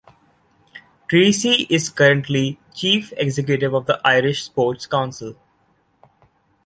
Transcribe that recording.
Treacy is currently chief executive of the Irish Sports Council.